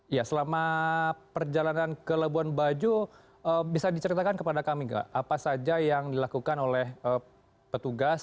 ya selama perjalanan ke labuan bajo bisa diceritakan kepada kami nggak apa saja yang dilakukan oleh petugas